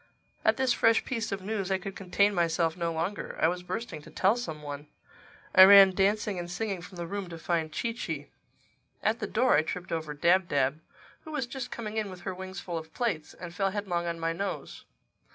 At this fresh piece of news I could contain myself no longer. I was bursting to tell some one. I ran dancing and singing from the room to find Chee Chee. At the door I tripped over Dab Dab, who was just coming in with her wings full of plates, and fell headlong on my nose.